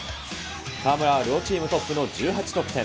河村は両チームトップの１８得点。